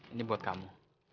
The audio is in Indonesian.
ini buat kamu